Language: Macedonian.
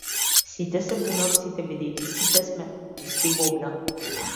Сега се бунат сите бидејќи сите сме во исти гомна.